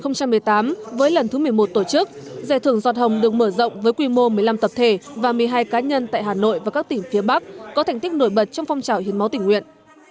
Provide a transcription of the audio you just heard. năm hai nghìn một mươi tám với lần thứ một mươi một tổ chức giải thưởng giọt hồng được mở rộng với quy mô một mươi năm tập thể và một mươi hai cá nhân tại hà nội và các tỉnh phía bắc có thành tích nổi bật trong phong trào hiến máu tỉnh nguyện